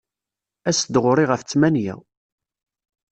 As-d ɣur-i ɣef ttmenya.